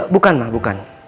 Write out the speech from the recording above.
bukan ma bukan